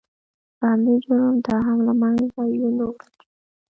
په همدې جرم دا هم له منځه یو نه وړل شي.